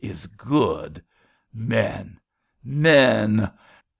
Is good. Men ! Men